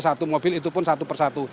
satu mobil itu pun satu persatu